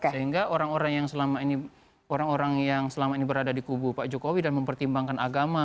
sehingga orang orang yang selama ini berada di kubu pak jokowi dan mempertimbangkan agama